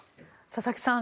佐々木さん